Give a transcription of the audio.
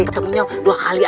ketemu dia dua kali aja